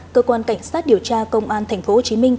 cơ quan cảnh sát điều tra công an tp hcm